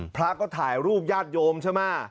พระก็ถ่ายรูปญาติโยมใช่ไหม